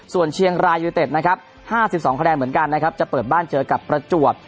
ส่วนเชียงรายยูเต็ดนะครับ๕๒คะแนนเหมือนกันนะครับจะเปิดบ้านเจอกับประจวบ